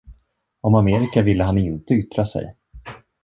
Om Amerika ville han inte yttra sig.